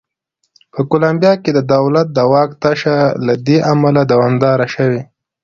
په کولمبیا کې د دولت د واک تشه له دې امله دوامداره شوې.